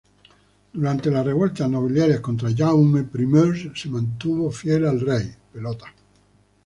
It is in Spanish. Durante las revueltas nobiliarias contra Jaime I se mantuvo fiel al rey.